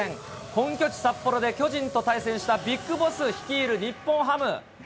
本拠地、札幌で巨人と対戦した、ビッグボス率いる日本ハム。